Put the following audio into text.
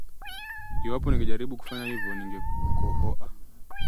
Iwapo ningejaribu kufanya hivyo ningekohoa